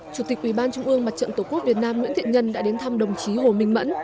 chủ tịch ủy ban trung ương mặt trận tổ quốc việt nam nguyễn thiện nhân đã đến thăm đồng chí hồ minh mẫn